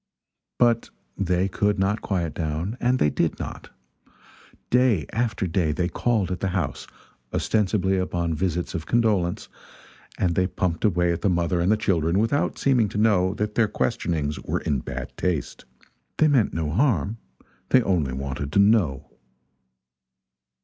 But they could not quiet down and they did not. Day after day they called at the house, ostensibly upon visits of condolence, and they pumped away at the mother and the children without seeming to know that their questionings were in bad taste. They meant no harm they only wanted to know.